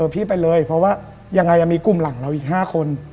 เพราะยังไงจะมีกลุ่มหลังเราอีก๕คน